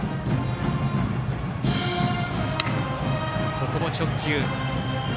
ここも直球。